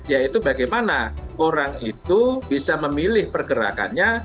yaitu bagaimana orang itu bisa memilih pergerakannya